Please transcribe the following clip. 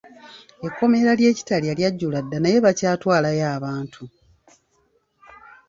Ekkomera ly'e Kitalya lyajjula dda naye bakyatwalayo abantu.